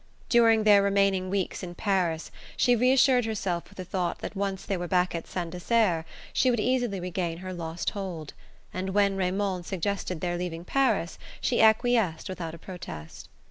During their remaining weeks in Paris she reassured herself with the thought that once they were back at Saint Desert she would easily regain her lost hold; and when Raymond suggested their leaving Paris she acquiesced without a protest.